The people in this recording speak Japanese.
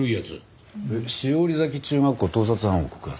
えっ「栞崎中学校盗撮犯を告発！」。